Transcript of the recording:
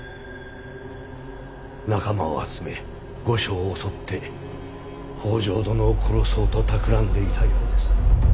仲間を集め御所を襲って北条殿を殺そうとたくらんでいたようです。